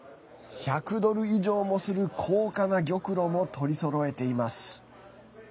１００ドル以上もする高価な玉露も取りそろえています。